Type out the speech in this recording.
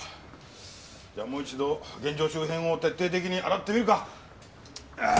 じゃあもう一度現場周辺を徹底的に洗ってみるか。